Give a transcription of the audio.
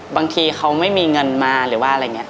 บางทีเขาไม่มีเงินมาหรือว่าอะไรอย่างนี้